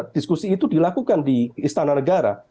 diskusi itu dilakukan di istana negara